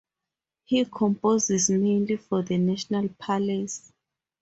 He composes mainly for the National Palace.